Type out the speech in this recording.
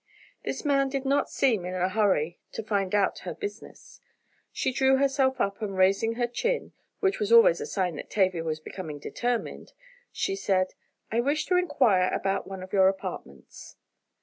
The man did not seem in a hurry to find out her business. She drew herself up and raising her chin, which was always a sign that Tavia was becoming determined, she said: "I wish to inquire about one of your apartments."